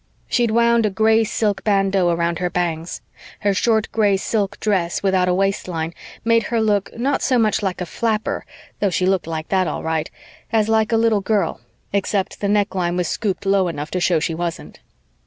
She'd wound a gray silk bandeau around her bangs. Her short gray silk dress without a waistline made her look, not so much like a flapper, though she looked like that all right, as like a little girl, except the neckline was scooped low enough to show she wasn't.